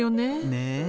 ねえ。